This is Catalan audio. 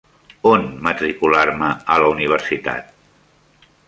On matricular-me a la universitat?